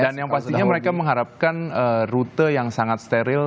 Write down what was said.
dan yang pastinya mereka mengharapkan rute yang sangat steril